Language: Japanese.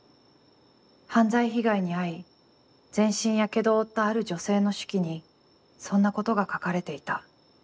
犯罪被害に遭い、全身火傷を負ったある女性の手記に、そんなことが書かれていた。